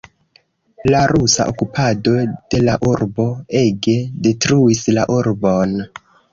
La rusa okupado de la urbo ege detruis la urbon.